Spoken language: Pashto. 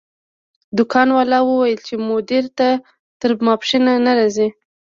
دکان والا وویل چې مدیر تر ماسپښین نه راځي.